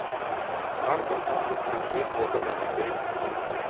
Ranken also sang lead vocals on "My Baby's Gone".